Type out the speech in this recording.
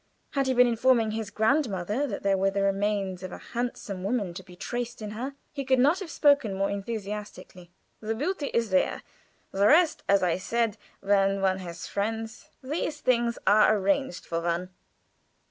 Had he been informing his grandmother that there were the remains of a handsome woman to be traced in her, he could not have spoken more unenthusiastically. "The beauty is there. The rest, as I said, when one has friends, these things are arranged for one."